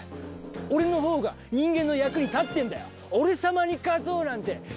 俺のほうが人間の役に立ってんだよ。